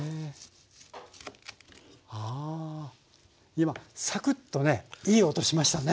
今「サクッ」とねいい音しましたね。